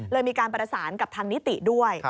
มีการประสานกับทางนิติด้วย